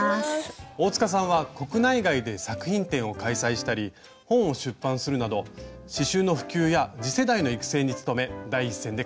大さんは国内外で作品展を開催したり本を出版するなど刺しゅうの普及や次世代の育成に努め第一線で活躍されています。